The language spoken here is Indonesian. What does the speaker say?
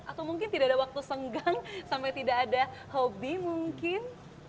atau mungkin tidak ada waktu senggang sampai tidak ada hobi mungkin